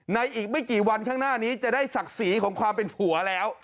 อีกไม่กี่วันข้างหน้านี้จะได้ศักดิ์ศรีของความเป็นผัวแล้ว